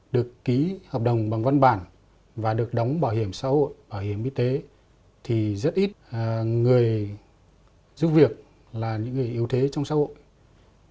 được ký hợp đồng bằng văn bản và được đóng bảo hiểm xã hội bảo hiểm y tế thì rất ít người giúp việc là những người yếu thế trong xã hội